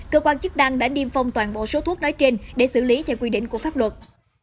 cơ quan chức đăng đã niêm phong toàn bộ số thuốc nói trên để xử lý theo quy định của pháp luật